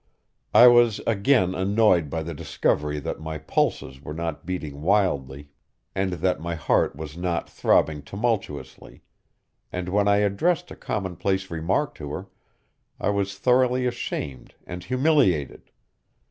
I was again annoyed by the discovery that my pulses were not beating wildly, and that my heart was not throbbing tumultuously, and when I addressed a commonplace remark to her I was thoroughly ashamed and humiliated.